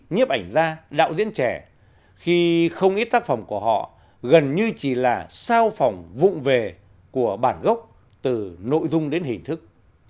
nhiếp ảnh gia đạo diễn trẻ khi không ít tác phẩm của họ gần như chỉ là sao phòng vụn về của bản gốc từ nội dung đến hình thức